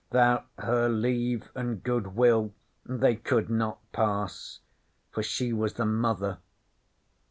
'Thout her Leave an' Good will they could not pass; for she was the Mother.